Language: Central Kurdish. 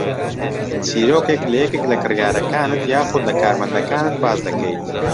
چیرۆکێک لە یەکێک لە کڕیارەکانت یاخوود لە کارمەندەکانت باس دەکەیت